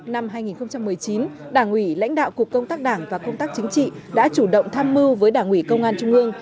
năm hai nghìn một mươi chín đảng ủy lãnh đạo cục công tác đảng và công tác chính trị đã chủ động tham mưu với đảng ủy công an trung ương